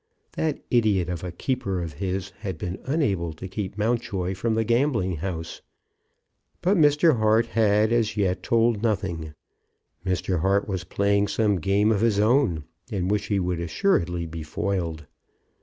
That idiot of a keeper of his had been unable to keep Mountjoy from the gambling house. But Mr. Hart had as yet told nothing. Mr. Hart was playing some game of his own, in which he would assuredly be foiled.